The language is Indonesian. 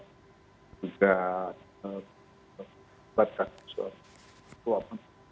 sudah terbuat kasus uap